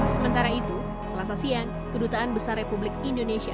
sementara itu selasa siang kedutaan besar republik indonesia